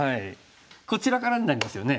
こちらからになりますよね。